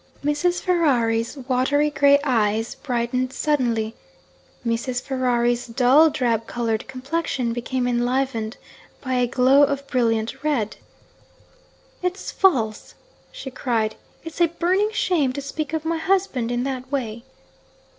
Mrs. Ferrari's watery grey eyes brightened suddenly; Mrs. Ferrari's dull drab coloured complexion became enlivened by a glow of brilliant red. 'It's false!' she cried. 'It's a burning shame to speak of my husband in that way!'